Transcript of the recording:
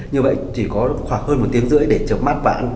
như vậy chỉ có khoảng hơn một tiếng rưỡi để chậm mắt vãn